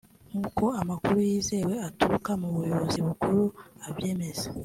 nkuko amakuru yizewe aturuka mu buyobozi bukuru abyemeza